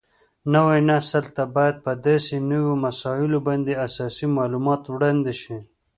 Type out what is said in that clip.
نوي نسل ته باید په داسې نوو مسایلو باندې اساسي معلومات وړاندې شي